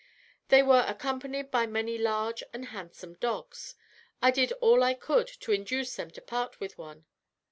"They were accompanied by many large and handsome dogs. I did all I could to induce them to part with one.